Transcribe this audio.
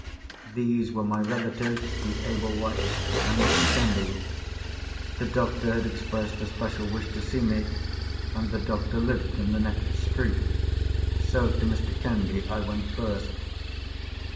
These were my relatives, the Ablewhites, and Mr. Candy. The doctor had expressed a special wish to see me, and the doctor lived in the next street. So to Mr. Candy I went first.